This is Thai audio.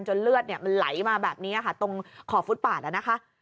เลือดมันไหลมาแบบนี้ค่ะตรงขอบฟุตปาดนะคะ